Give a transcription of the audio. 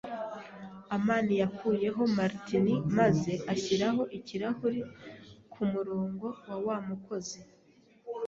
amani yakuyeho martini maze ashyira ikirahuri kumurongo wa wa mukozi.